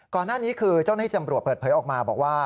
ก่อนหน้านี้คือเจ้าหน้าที่จำรวจเปิดเผยออกมาบอกว่า